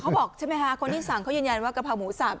บอกใช่ไหมคะคนที่สั่งเขายืนยันว่ากะเพราหมูสับ